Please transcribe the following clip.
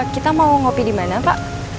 kita mau ngopi dimana pak